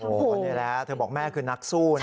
โอ้โหนี่แหละเธอบอกแม่คือนักสู้นะ